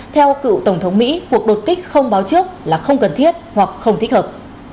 theo cựu tổng thống mỹ cuộc đột kích không báo trước là không cần thiết hoặc không thích hợp